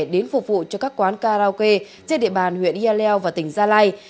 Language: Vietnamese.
đến phục vụ cho các quán karaoke trên địa bàn huyện yaleo và tỉnh gia lai